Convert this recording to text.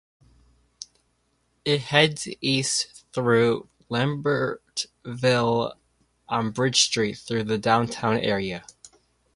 It heads east through Lambertville on Bridge Street through the downtown area.